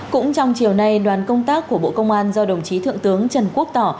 cũng trong chiều nay đoàn công tác của bộ công an do đồng chí thượng tướng trần quốc tỏ